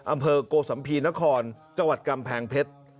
อำเภอโกสัมภีนครจังหวัดกำแพงเพชร